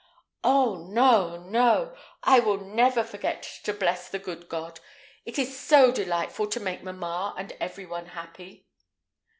"Oh! no, no! I will never forget to bless the good God. It is so delightful to make mamma and every one happy."